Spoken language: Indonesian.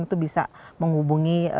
itu bisa menghubungi